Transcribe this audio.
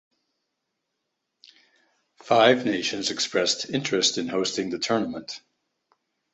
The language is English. Five nations expressed interest in hosting the tournament.